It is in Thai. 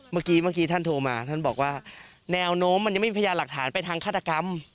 เมื่อกี้เมื่อกี้ท่านโทรมาท่านบอกว่าแนวโน้มมันยังไม่มีพยานหลักฐานไปทางฆาตกรรม